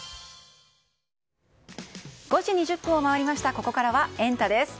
ここからはエンタ！です。